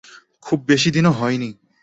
খুব বেশিদিনও হয়নি।